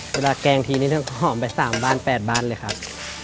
เวลาแกงทีนี้ต้องหอมไป๓๘บาทเลยครับ